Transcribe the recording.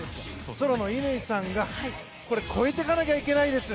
ソロの乾さんが、これ超えていかなきゃいけないです。